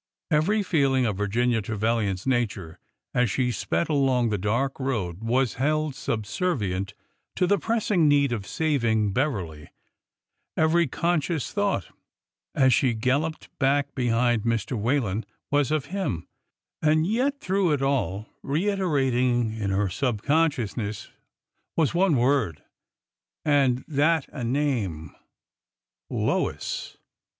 Every feeling of Virginia Trevilian's nature, as she sped along the dark road, was held subservient to the pressing need of saving Beverly; every conscious thought, as she galloped back behind Mr. Whalen, was of him ; and yet, through it all, reiterating in her subconsciousness was one word, and that a name— Lois